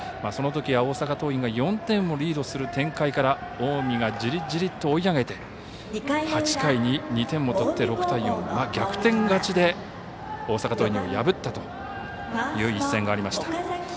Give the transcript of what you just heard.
そのときは大阪桐蔭が４点をリードする展開から近江がじりじりと追い上げて８回に２点を取って６対４と逆転勝ちで大阪桐蔭を破ったという一戦がありました。